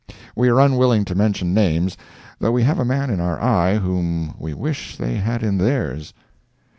We are unwilling to mention names—though we have a man in our eye whom we wish they had in theirs.